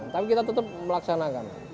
tapi kita tetap melaksanakan